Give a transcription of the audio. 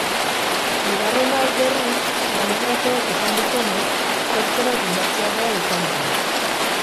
Bigarren hau, berriz, sismografoek esan dutenez, zertxobait indartsuagoa izan da.